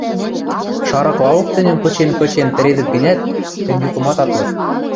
Шарыклаок тӹньӹм кычен-кычен тӹредӹт гӹнят, тӹнь юкымат ат лык